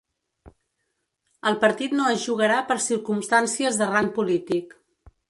El partit no es jugarà per circumstàncies de rang polític.